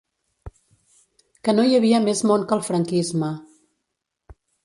Que no hi havia més món que el franquisme.